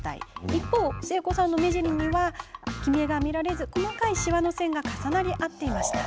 一方、誠子さんの目尻にはきめが見られず細かいしわの線が重なり合っていました。